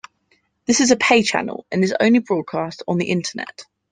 This is a pay channel, and is only broadcast on the Internet.